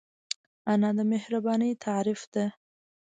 انا د مهربانۍ تعریف ده